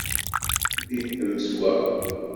Bibbemt wa.